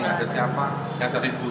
ada siapa yang terhitung